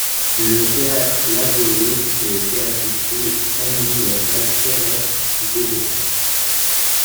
Le Théâtre La Rubrique et le théâtre Cri animent la salle Pierrette-Gaudreault.